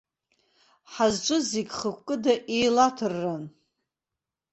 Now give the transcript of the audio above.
Ҳазҿыз зегь хықәкыда-еилаҭырран?